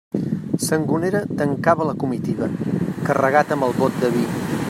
Sangonera tancava la comitiva, carregat amb el bot de vi.